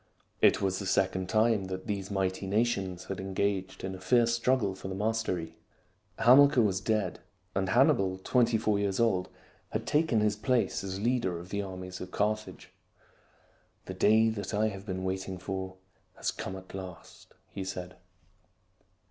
It was the second time that these mighty nations had engaged in a fierce struggle for the mastery. Hamilcar was dead ; and Hannibal, twenty four years old, had taken his place as leader of the armies of Carthage. " The day that I have been waiting for has come at last," he said.